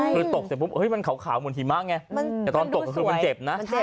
คือตกเสร็จปุ๊บมันขาวเหมือนหิมะไงแต่ตอนตกก็คือมันเจ็บนะ